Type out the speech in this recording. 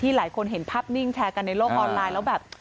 หลายคนเห็นภาพนิ่งแชร์กันในโลกออนไลน์แล้วแบบ